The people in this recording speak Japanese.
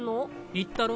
言ったろ？